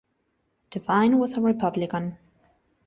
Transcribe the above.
Devine was a Republican.